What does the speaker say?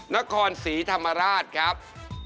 นักขอนศรีธรรมราชครับ